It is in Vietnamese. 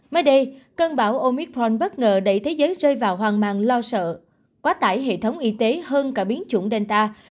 mới đây cơn bão omicron bất ngờ đẩy thế giới rơi vào hoàng màng lo sợ quá tải hệ thống y tế hơn cả biến chủng delta